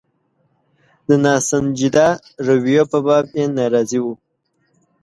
د ناسنجیده رویو په باب یې ناراضي وو.